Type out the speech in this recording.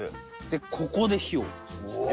でここで火を。